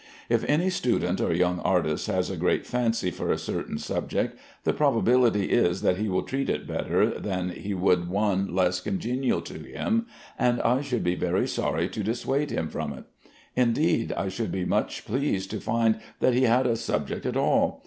If any student or young artist has a great fancy for a certain subject, the probability is that he will treat it better than he would one less congenial to him, and I should be very sorry to dissuade him from it. Indeed, I should be much pleased to find that he had a subject at all.